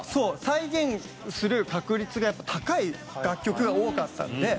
再現する確率がやっぱ高い楽曲が多かったので。